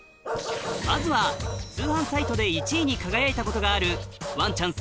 まずは通販サイトで１位に輝いたことがあるわんちゃん